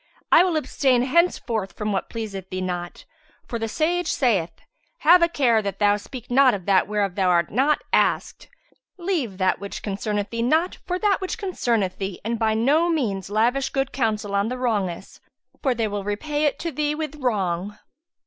I will abstain henceforth from what pleaseth thee not; for the sage saith, 'Have a care that thou speak not of that whereof thou art not asked; leave that which concerneth thee not for that which concerneth thee, and by no means lavish good counsel on the wrongous, for they will repay it to thee with wrong.'"